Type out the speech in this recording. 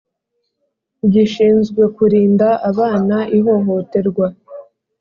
gishinzwe kurinda abana ihohoterwa